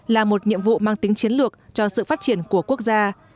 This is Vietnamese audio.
là một nhiệm vụ mang tính chiến lược cho sự phát triển của quốc gia